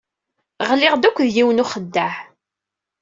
Ɣliɣ-d akked yiwen n uxeddaɛ.